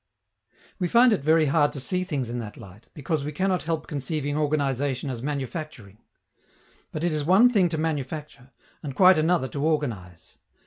We find it very hard to see things in that light, because we cannot help conceiving organization as manufacturing. But it is one thing to manufacture, and quite another to organize.